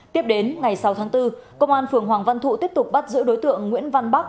tiếp đến ngày sáu tháng bốn công an phường hoàng văn thụ tiếp tục bắt giữ đối tượng nguyễn văn bắc